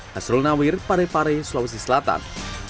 hasrul nawir pare pare sulawesi selatan